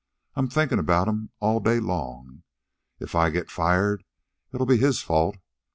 I'm thinkin' about'm all day long. If I get fired, it'll be his fault.